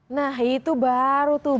nah itu baru tuh